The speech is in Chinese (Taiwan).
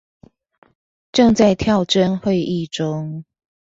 正在跳針會議中